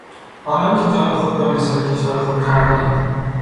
آنان که جان خود را نثار کشور خود کردند